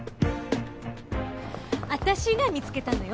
私が見つけたのよ。